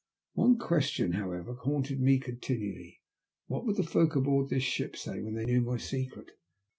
One question, however, haunted me continually : What would the folk aboard this ship say when they knew my secret